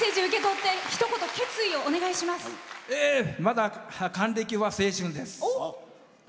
まだ還暦は青春です。